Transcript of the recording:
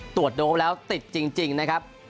ตรวจดูแล้วติดจริงนะครับ